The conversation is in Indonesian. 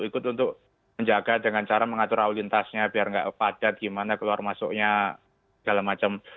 ikut untuk menjaga dengan cara mengatur aulintasnya biar nggak padat gimana keluar masuknya segala macam